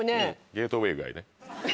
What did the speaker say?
ゲートウェイ以外ね。